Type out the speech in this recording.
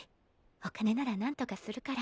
お金ならなんとかするから。